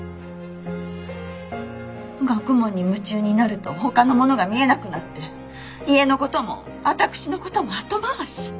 学問に夢中になるとほかのものが見えなくなって家のことも私のことも後回し。